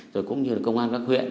rồi cũng như công an các huyện